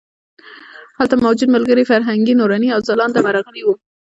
هلته موجود ملګري فرهنګ، نوراني او ځلاند ورغلي وو.